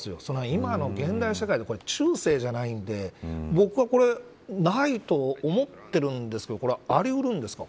今の現代社会でこれ、中世じゃないんで僕はこれないと思ってるんですけどありうるんですか。